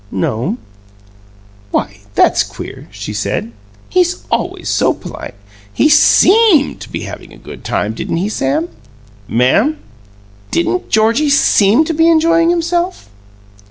"No'm." "Why, that's queer," she said. "He's always so polite. He SEEMED to be having a good time, didn't he, Sam?" "Ma'am?" "Didn't Georgie seem to be enjoying himself?"